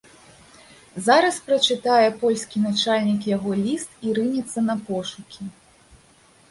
Зараз прачытае польскі начальнік яго ліст і рынецца на пошукі.